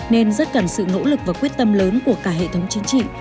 nên rất cần sự nỗ lực và quyết tâm lớn của cả hệ thống chính trị